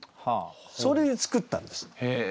それで作ったんです。